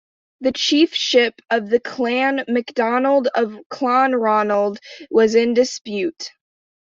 The chiefship of the Clan Macdonald of Clanranald was in dispute.